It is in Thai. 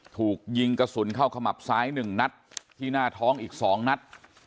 ถูกยิงกระสุนเข้าขมับซ้าย๑นัดที่หน้าท้องอีก๒นัด